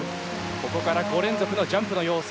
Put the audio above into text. ここから５連続のジャンプの要素。